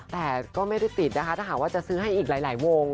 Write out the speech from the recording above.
แต่ก็ไม่ได้ติดนะคะถ้าหากว่าจะซื้อให้อีกหลายวง